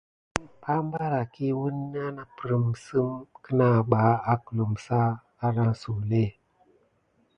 Mambara ki nadi wuna naprime sim kinaba aklune sa anasu lé.